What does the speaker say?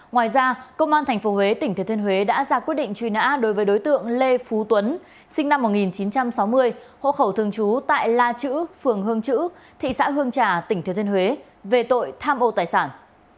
ngoài ra công an tp huế tỉnh thừa thiên huế đã ra quyết định truy nã đối với đối tượng lê phú tuấn sinh năm một nghìn chín trăm sáu mươi hộ khẩu thường trú tại la chữ phường hương chữ thị xã hương trà tỉnh thừa thiên huế về tội tham ô tài sản